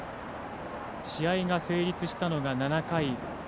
試合が成立したのが７回。